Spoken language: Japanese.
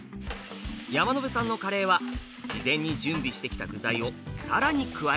山野辺さんのカレーは事前に準備してきた具材を更に加えます。